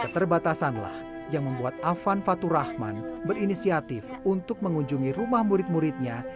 keterbatasanlah yang membuat afan fatur rahman berinisiatif untuk mengunjungi rumah murid muridnya